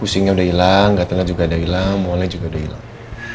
pusingnya udah hilang gatelnya juga udah hilang walenya juga udah hilang